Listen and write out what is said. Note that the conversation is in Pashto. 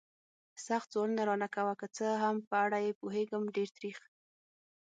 سخت سوالونه را نه کوه. که څه هم په اړه یې پوهېږم، ډېر تریخ.